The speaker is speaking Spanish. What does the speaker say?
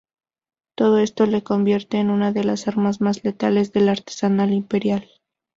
Todo esto le convierte en una de las armas más letales del arsenal Imperial.